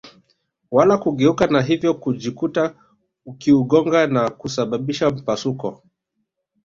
wala kugeuka na hivyo kujikuta ikiugonga na kusababisha mpasuko